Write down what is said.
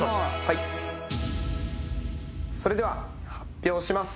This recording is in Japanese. はいそれでは発表します